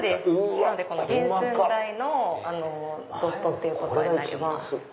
なので原寸大のドットっていうことになります。